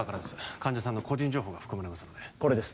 患者さんの個人情報が含まれますのでこれです